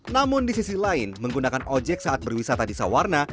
namun di sisi lain menggunakan ojek saat berwisata di sawarna